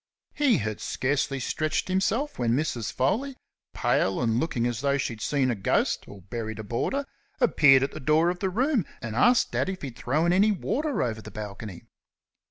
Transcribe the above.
He had scarcely stretched himself when Mrs. Foley, pale and looking as though she had seen a ghost or buried a boarder, appeared at the door of the room, and asked Dad if he'd thrown any water over the balcony.